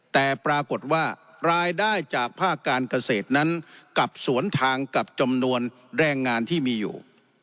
แต่ปรากฏว่ารายได้จากภาคการเกษตรนั้นกลับสวนทางกับจำนวนแรงงานที่มีอยู่